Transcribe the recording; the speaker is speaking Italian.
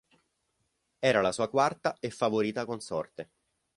Era la sua quarta e favorita consorte.